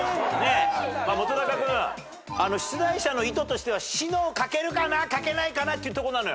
本君出題者の意図としては「篠」を書けるかな書けないかなってとこなのよ。